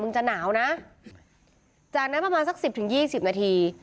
จะหนาวนะจากนั้นประมาณสักสิบถึงยี่สิบนาที